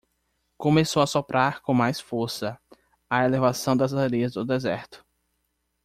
Começou a soprar com mais força a elevação das areias do deserto.